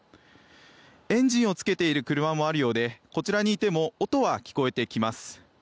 エンジンをつけている車もあるようでこちらにいても音は聞こえてきます。